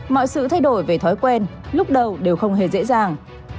mọi sự thay đổi về thói quen lúc đầu đều không hề dễ dàng